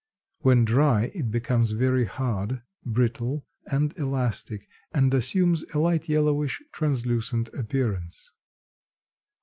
When dry it becomes very hard, brittle and elastic and assumes a light yellowish, translucent appearance.